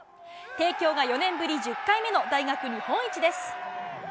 帝京が４年ぶり１０回目の大学日本一です。